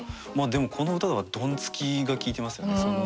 でもこの歌では「ドンつき」が効いてますよね。